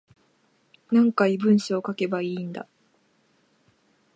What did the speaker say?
何回文章書けばいいんだ